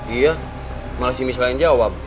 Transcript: iya malah si missel yang jawab